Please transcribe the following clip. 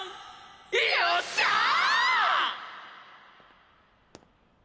よっしゃー！